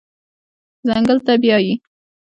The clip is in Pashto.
ځنګل ته بیایي